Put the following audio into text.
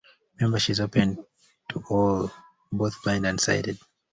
Membership is open to all, both blind and sighted.